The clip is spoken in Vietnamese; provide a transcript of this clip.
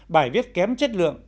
bài viết kém chất lượng